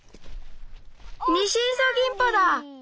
ニシイソギンポだ！